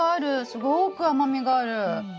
すごく甘みがある。